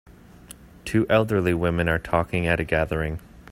Two elderly woman are talking at a gathering.